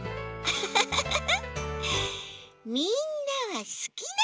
フフフフフ。